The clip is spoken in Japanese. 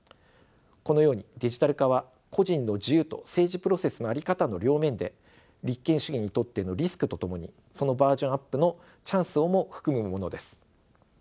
このようにデジタル化は個人の自由と政治プロセスの在り方の両面で立憲主義にとってのリスクとともにそのバージョンアップのチャンスをも含むものです。